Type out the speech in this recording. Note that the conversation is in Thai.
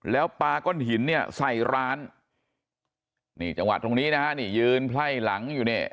แล้วปลาก้อนหินเนี่ยใส่ร้านนี่จังหวะตรงนี้นะฮะนี่ยืนไพ่หลังอยู่เนี่ย